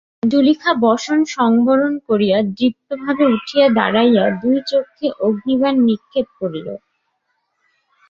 জুলিখা বসন সম্বরণ করিয়া দৃপ্তভাবে উঠিয়া দাঁড়াইয়া দুই চক্ষে অগ্নিবাণ নিক্ষেপ করিল।